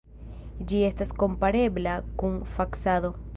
Ĝi estas komparebla kun faksado.